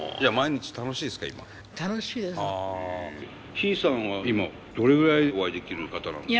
ヒイさんは今どれぐらいお会いできる方なんですか。